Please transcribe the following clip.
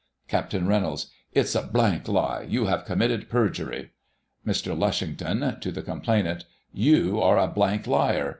Capt Reynolds: It's a lie. You have committed perjury. Mr. Lushington (to the complainant) : You are a liar.